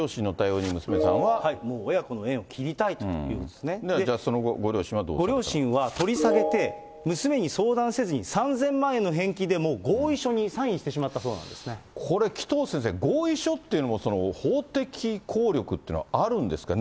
もう親子の縁を切りたいといじゃあその後、ご両親はどうご両親は、取り下げて、娘に相談せずに、３０００万円の返金でもう合意書にサインしてしまったそうなんでこれ紀藤先生、合意書っていうのの法的効力っていうのはあるんですか。